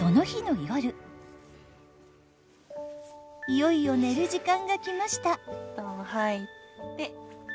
いよいよ寝る時間が来ました。